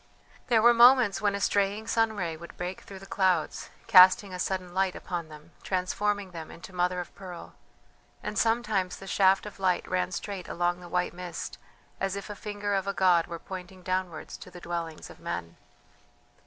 There were moments when a straying sun ray would break through the clouds, casting a sudden light upon them, transforming them into mother of pearl; and sometimes the shaft of light ran straight along the white mist as if a finger of a god were pointing downwards to the dwellings of men.